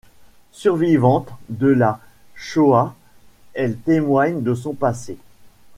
Survivante de la Shoah, elle témoigne de son passé.